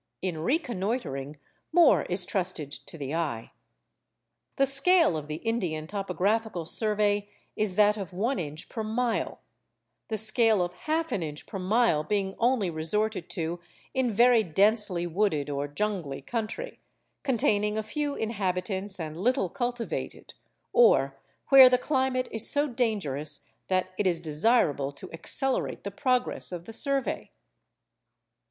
In reconnoitring, more is trusted to the eye. The scale of the Indian topographical survey is that of one inch per mile; the scale of half an inch per mile being only resorted to in very densely wooded or jungly country, containing a few inhabitants and little cultivated, or where the climate is so dangerous that it is desirable to accelerate the progress of the survey.